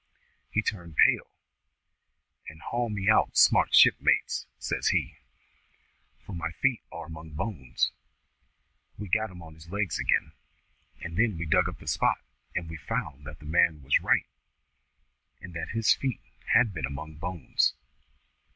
He turned pale, and 'Haul me out smart, shipmates,' says he, 'for my feet are among bones.' We soon got him on his legs again, and then we dug up the spot, and we found that the man was right, and that his feet had been among bones.